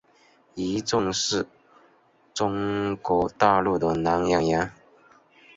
于震是中国大陆的男演员。